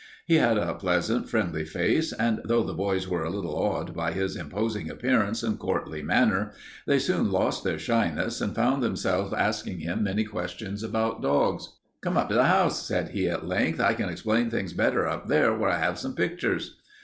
He had a pleasant, friendly face, and though the boys were a little awed by his imposing appearance and courtly manner, they soon lost their shyness and found themselves asking him many questions about dogs. "Come up to the house," said he at length. "I can explain things better up there, where I have some pictures."